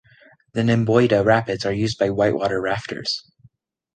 The Nymboida rapids are used by white water rafters.